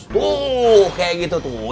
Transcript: tuh kayak gitu tuh